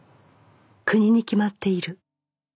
国に決まっている